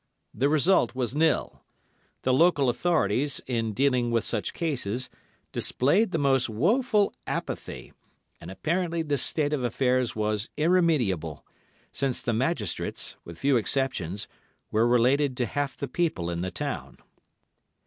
The result was nil. The local authorities, in dealing with such cases, displayed the most woeful apathy, and apparently this state of affairs was irremediable, since the magistrates, with few exceptions, were related to half the people in the town.